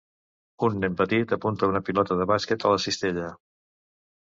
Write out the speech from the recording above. Un nen petit apunta una pilota de bàsquet a la cistella.